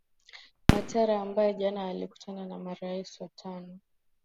watera ambaye jana alikutana na marais watano